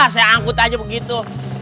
saya angkut aja begitu